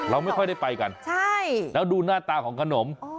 เราไม่ค่อยได้ไปกันใช่แล้วดูหน้าตาของขนม